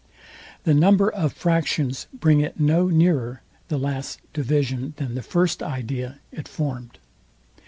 The number of fractions bring it no nearer the last division, than the first idea it formed.